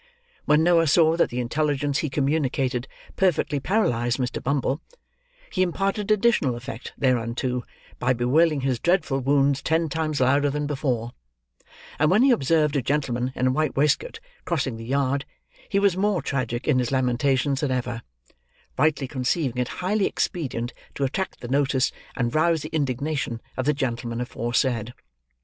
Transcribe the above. When Noah saw that the intelligence he communicated perfectly paralysed Mr. Bumble, he imparted additional effect thereunto, by bewailing his dreadful wounds ten times louder than before; and when he observed a gentleman in a white waistcoat crossing the yard, he was more tragic in his lamentations than ever: rightly conceiving it highly expedient to attract the notice, and rouse the indignation, of the gentleman aforesaid.